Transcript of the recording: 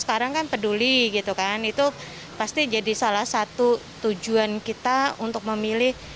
cara menjaga tetapout cela kereta kami dengan satu sande dan setot n spokei itu bis enam ratus empat puluh empat